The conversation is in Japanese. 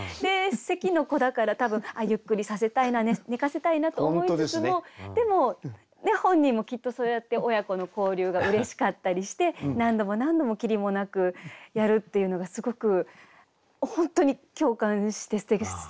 「咳の子」だから多分ゆっくりさせたいな寝かせたいなと思いつつもでも本人もきっとそうやって親子の交流がうれしかったりして何度も何度もきりもなくやるっていうのがすごく本当に共感してすてきな句だなと思います。